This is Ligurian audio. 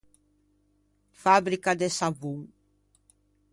Fabrica de savon.